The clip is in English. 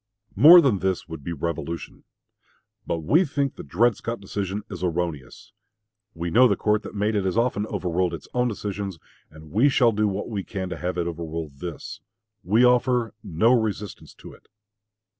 More than this would be revolution. But we think the Dred Scott decision is erroneous. We know the court that made it has often overruled its own decisions, and we shall do what we can to have it overrule this. We offer no resistance to it.